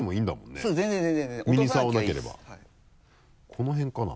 この辺かな？